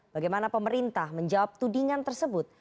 bagaimana pemerintah menjawab tudingan tersebut